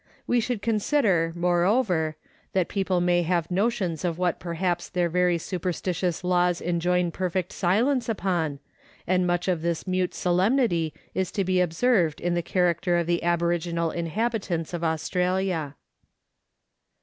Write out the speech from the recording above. We should consider, moreover, that people may have notions of what perhaps theirvery superstitious laws enjoin perfect silence upon, and much of this mute solemnity is to be observed in the character of the aboriginal inhabitants of Australia.